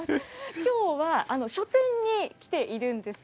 きょうは、書店に来ているんです。